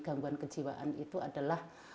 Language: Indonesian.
gangguan kejiwaan itu adalah